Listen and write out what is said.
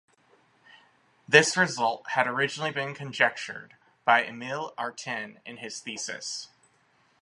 This result had originally been conjectured by Emil Artin in his thesis.